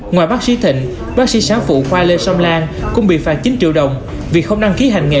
ngoài bác sĩ thịnh bác sĩ sáng phụ khoa lê song lan cũng bị phạt chín triệu đồng vì không đăng ký hành nghề